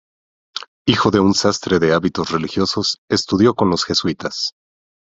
Hijo de un sastre de hábitos religiosos, estudió con los jesuitas.